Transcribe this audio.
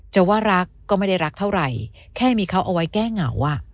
จะว่ารักก็ไม่ได้รักเท่าไหร่แค่มีเขาเอาไว้แก้เหงา